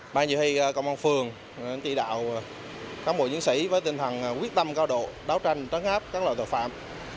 ban giới thi công an phường chỉ đạo các bộ nhân sĩ với tinh thần quyết tâm cao độ đáo tranh trấn áp các loại tội phạm